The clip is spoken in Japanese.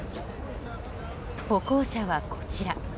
歩行者は、こちら。